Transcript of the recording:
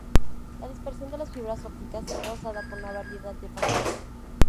La dispersión de las fibras ópticas es causada por una variedad de factores.